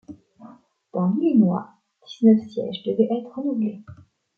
Dans l'Illinois dix-neuf sièges devaient être renouvelés.